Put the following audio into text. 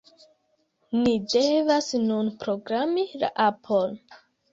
Ni devas nun programi la apon